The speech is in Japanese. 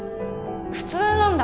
普通なんだ。